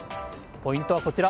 ポイントはこちら。